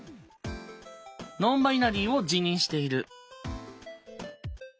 ノンバイナリーを自認している。